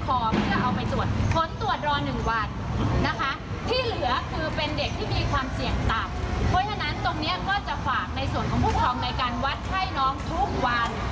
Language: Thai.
เพราะฉะนั้นตรงนี้ก็จะฝากในส่วนของผู้ครองในการวัดไข้น้องทุกวัน